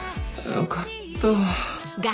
よかった。